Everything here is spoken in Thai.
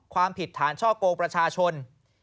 ความผิดฐานช่อกงประชาชน